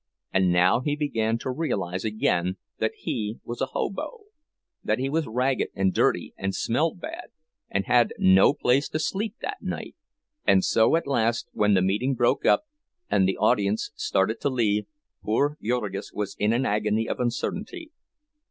And now he began to realize again that he was a "hobo," that he was ragged and dirty, and smelled bad, and had no place to sleep that night! And so, at last, when the meeting broke up, and the audience started to leave, poor Jurgis was in an agony of uncertainty.